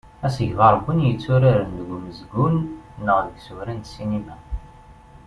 Asegbar d win yetturaren deg umezgun neɣ deg isura n ssinima.